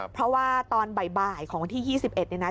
เพราะว่าตอนบ่ายของที่๒๑นี้นะครับ